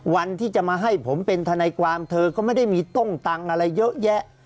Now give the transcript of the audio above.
วันที่จะมาให้ผมเป็นทนายความเธอก็ไม่ได้มีต้มตังค์อะไรเยอะแยะ